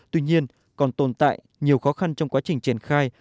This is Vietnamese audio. tuy nhiên còn tồn tại nhiều khó khăn trong quá trình triển khai